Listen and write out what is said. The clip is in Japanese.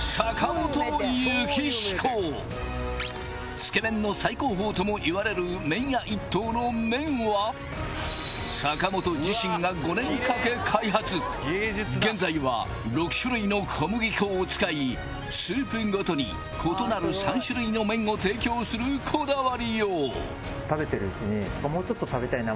「つけ麺の最高峰」ともいわれる麺屋一燈の麺は坂本自身が現在は６種類の小麦粉を使いスープごとに異なる３種類の麺を提供するこだわりよう食べてるうちにもうちょっと食べたいな